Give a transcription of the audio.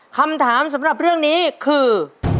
คำถามสำหรับเรื่องนี้คือ